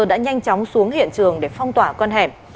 đã nhanh chóng xuống hiện trường để phong tỏa con hẻm